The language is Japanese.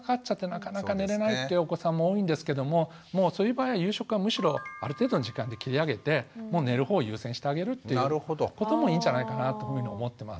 なかなか寝れないってお子さんも多いんですけどももうそういう場合は夕食はむしろある程度の時間で切り上げてもう寝る方を優先してあげるということもいいんじゃないかなというふうに思ってます。